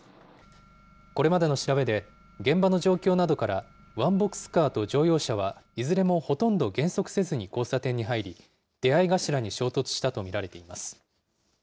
これまでの調べで、現場の状況などからワンボックスカーと乗用車はいずれもほとんど減速せずに交差点に入り、出合い頭に衝突したと見られています。